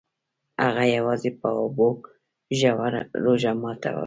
هغه یوازې په اوبو روژه ماتوله.